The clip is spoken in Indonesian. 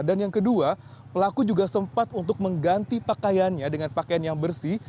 dan yang kedua pelaku juga sempat untuk mengganti pakaiannya dengan pakaian yang bersih